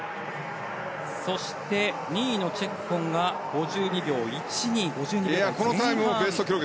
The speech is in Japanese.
そして２位のチェッコンが５２秒１２、５２秒台前半。